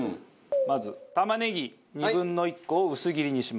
まず玉ねぎ２分の１個を薄切りにします。